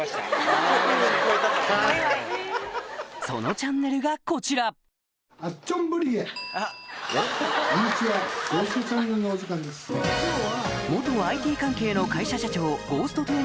そのチャンネルがこちら元ＩＴ関係の会社社長